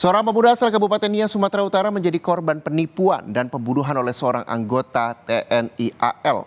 seorang pemuda asal kabupaten nia sumatera utara menjadi korban penipuan dan pembunuhan oleh seorang anggota tni al